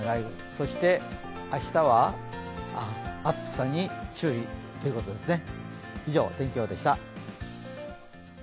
そして明日は、暑さに注意ということですね。